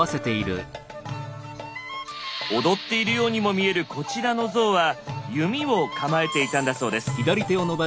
踊っているようにも見えるこちらの像は弓を構えていたんだそうです。